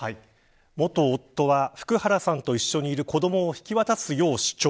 元夫は、福原さんと一緒にいる子どもを引き渡すよう主張。